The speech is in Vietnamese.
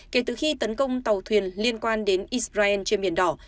kể từ khi tấn công tàu thuyền liên quan đến israel trên biển đỏ